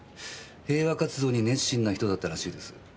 平和活動に熱心な人だったらしいです。